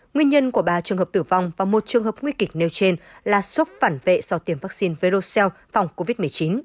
nguyên nhân của ba trường hợp tử vong và một trường hợp nguy kịch nêu trên là sốc phản vệ sau tiêm vaccine vercel phòng covid một mươi chín